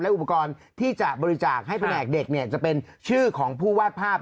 อุปกรณ์ที่จะบริจาคให้แผนกเด็กเนี่ยจะเป็นชื่อของผู้วาดภาพ